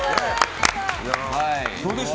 どうでした？